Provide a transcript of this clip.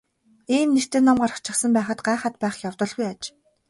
Ийм нэртэй ном гарчихсан байхад гайхаад байх явдалгүй аж.